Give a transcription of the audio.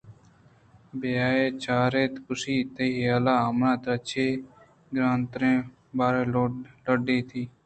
بِہیا ءَ چار اِت ءُ گوٛشت تئی حیال ءَ آمنا ترا چہ گرٛان تریں بارے لڈّ یت؟